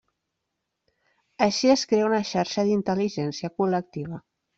Així es crea una xarxa d'intel·ligència col·lectiva.